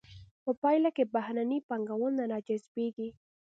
په پایله کې بهرنۍ پانګونه را جذبیږي.